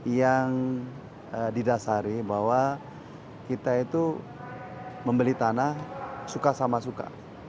yang didasari bahwa kita itu membeli tanah suka sama suka